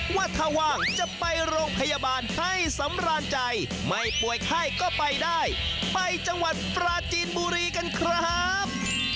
ว่าถ้าว่างจะไปโรงพยาบาลให้สำราญใจไม่ป่วยไข้ก็ไปได้ไปจังหวัดปราจีนบุรีกันครับ